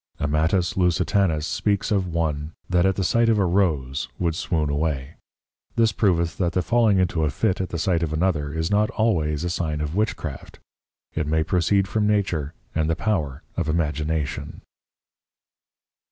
Amatus Lusitanus speaks of one that at the sight of a Rose would swoon away: This proveth that the falling into a Fit at the sight of another is not always a sign of Witchcraft. It may proceed from Nature, and the Power of Imagination.